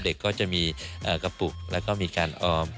เด็กก็จะมีกระปุกแล้วก็มีการออม